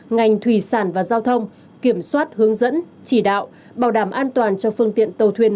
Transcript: ngành thủy sản và giao thông kiểm soát hướng dẫn chỉ đạo bảo đảm an toàn cho phương tiện tàu thuyền